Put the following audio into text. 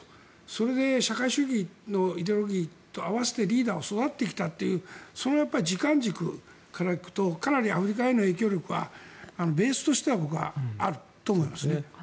それで社会主義のイデオロギーと合わせてリーダーが育ってきたという時間軸から行くとかなりアフリカへの影響力はベースとしては僕はあると思いますね。